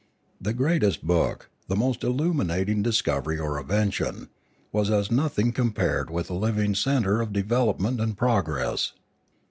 The greatest book, the most illuminating discovery or invention, was as nothing compared with a living centre of development and progress.